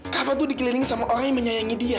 kapan tuh dikeliling sama orang yang menyayangi dia